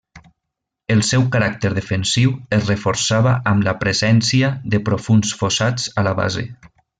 El seu caràcter defensiu es reforçava amb la presència de profunds fossats a la base.